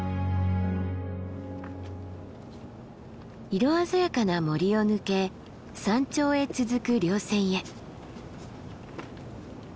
色鮮やかな森を抜け山頂へ続く稜線へ。